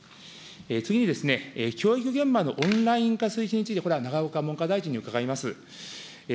次に、教育現場のオンライン化推進について、永岡文科大臣に伺います。